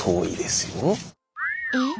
えっ？